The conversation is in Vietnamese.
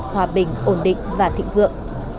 hòa bình ổn định và thịnh vượng